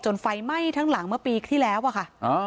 ไฟไหม้ทั้งหลังเมื่อปีที่แล้วอะค่ะ